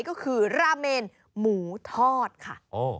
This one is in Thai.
ก็คือราเมนหมูทอดค่ะ